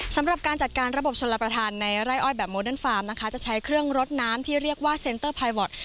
สำหรับการจัดการระบบชนรับประทานในไร่อ้อยแบบโมเดิร์ฟาร์มนะคะจะใช้เครื่องรดน้ำที่เรียกว่าเซ็นเตอร์พายวอร์ด